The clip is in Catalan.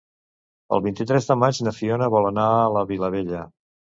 El vint-i-tres de maig na Fiona vol anar a la Vilavella.